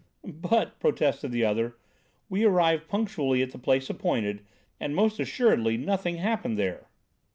"But," protested the other, "we arrived punctually at the place appointed, and most assuredly nothing happened there."